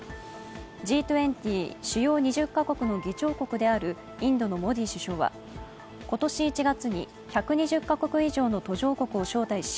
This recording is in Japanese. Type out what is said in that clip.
Ｇ２０＝主要２０か国の議長国であるインドのモディ首相は今年１月に１２０か国以上の途上国を招待し